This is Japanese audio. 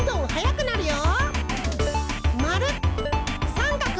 さんかく！